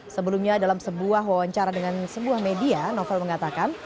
sebelumnya dalam sebuah wawancara dengan sebuah media novel mengatakan